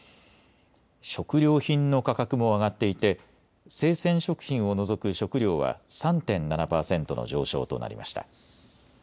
食料品の価格も上がっていて生鮮食品を除く食料は３．７％の上昇となりました。